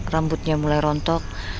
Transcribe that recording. rambutnya mulai rontok